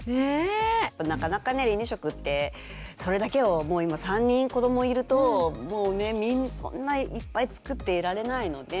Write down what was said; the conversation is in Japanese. なかなか離乳食ってそれだけをもう今３人子どもいるともうねそんないっぱい作っていられないので。